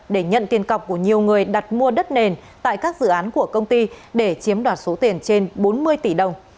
để nhận tiền cọc của nhiều người đặt mua đất nền tại các dự án của công ty để chiếm đoạt số tiền trên bốn mươi tỷ đồng